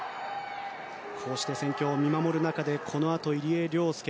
こうして戦況を見守る中でこのあと、入江陵介。